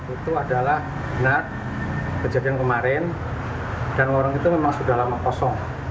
itu adalah benar kejadian kemarin dan warung itu memang sudah lama kosong